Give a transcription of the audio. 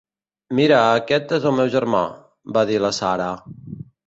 "Mira, aquest és el meu germà", va dir la Sarah.